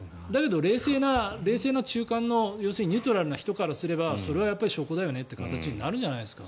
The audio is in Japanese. だけど冷静な中間のニュートラルな人からすればそれは証拠だよねとなるじゃないですか。